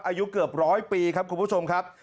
อายุเกือบร้อยปีครับคุณผู้ชมครับ